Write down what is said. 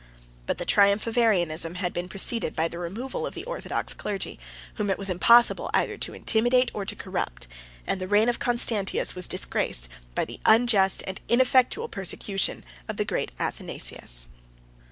95 But the triumph of Arianism had been preceded by the removal of the orthodox clergy, whom it was impossible either to intimidate or to corrupt; and the reign of Constantius was disgraced by the unjust and ineffectual persecution of the great Athanasius.